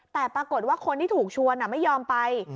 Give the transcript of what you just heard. แต่ปรากฏว่าคนที่ถูกชวนไม่ยอมไป